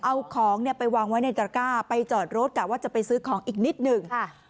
เอาของเนี่ยไปวางไว้ในตระก้าไปจอดรถกะว่าจะไปซื้อของอีกนิดหนึ่งค่ะ